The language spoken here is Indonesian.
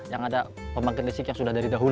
yang ada pembangkit listrik yang sudah dari dahulu